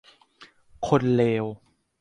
คนเลว